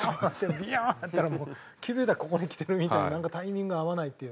ビューン！ってもう気付いたらここにきてるみたいななんかタイミング合わないっていう。